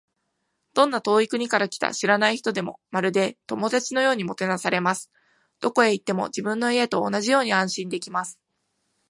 どんな遠い国から来た知らない人でも、まるで友達のようにもてなされます。どこへ行っても、自分の家と同じように安心できます。